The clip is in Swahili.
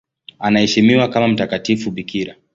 Anaheshimiwa kama mtakatifu bikira.